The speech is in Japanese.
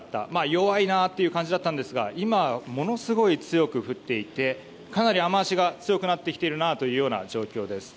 弱いなという感じだったんですが今はものすごい強く降っていてかなり雨脚が強くなっているなという状況です。